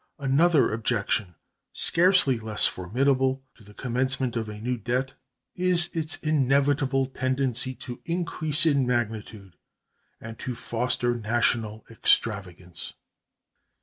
Another objection, scarcely less formidable, to the commencement of a new debt is its inevitable tendency to increase in magnitude and to foster national extravagance.